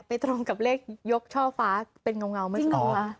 ไปตรงกับเลขยกช่อฟ้าเป็นเงาไม่สูงหรือ